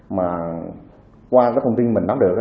mà qua các thông tin mình bắt được